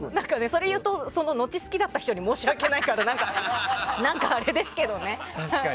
それを言うと好きだった人に申し訳ないから何かあれですけどね。